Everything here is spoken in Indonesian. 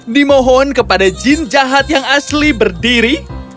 dimohon kepada jin jahat yang asli berdiri